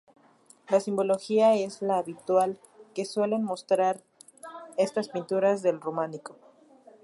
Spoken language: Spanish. La simbología es la habitual que suelen mostrar estas pinturas del románico.